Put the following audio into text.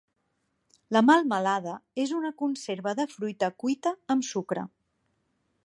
La melmelada és una conserva de fruita cuita amb sucre.